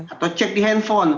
atau cek di handphone